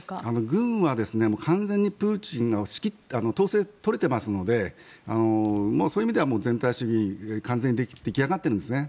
軍は完全にプーチンの統制が取れていますのでもうそういう意味では全体主義が完全に出来上がってるんですね。